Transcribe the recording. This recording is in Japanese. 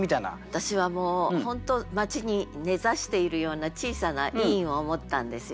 私はもう本当町に根ざしているような小さな医院を思ったんですよね。